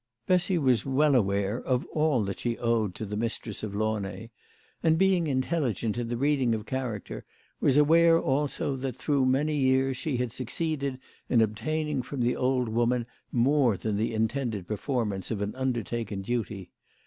Bessy was well aware of all that she owed to the mistress of Launay ; and, being intelligent in the reading of character, was aware also that through many years she had succeeded in obtain ing from the old woman more than the intended per formance of an undertaken duty.